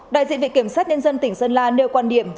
đại diện viện kiểm sát nhân dân tỉnh sơn la nêu quan điểm